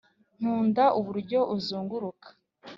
nkunda uburyo uzunguruka